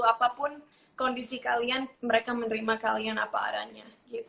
apapun kondisi kalian mereka menerima kalian apa adanya